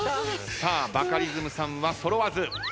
さあバカリズムさんは揃わず。